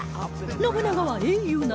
信長は英雄なのか？